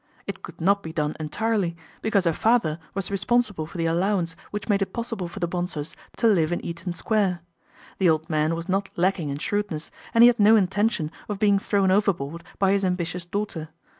It could not be done entirely, because her father was responsible for the allow ance which made it possible for the Bonsors to live in Euton Square. The old man was not lacking in shrewdness, and he had no intention of being thrown overboard by his ambitious daughter.